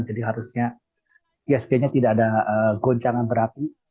jadi harusnya ihsg nya tidak ada goncangan berapi